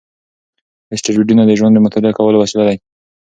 اسټروېډونه د ژوند د مطالعه کولو وسیله دي.